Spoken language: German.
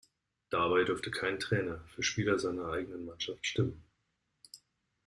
Dabei durfte kein Trainer für Spieler aus seiner eigenen Mannschaft stimmen.